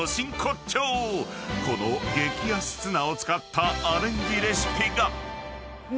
［この激安ツナを使ったアレンジレシピが］